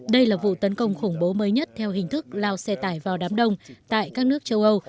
đây là vụ tấn công khủng bố mới nhất theo hình thức lao xe tải vào đám đông tại các nước châu âu